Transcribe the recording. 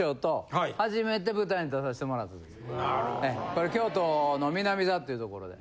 これ京都の南座っていうところで。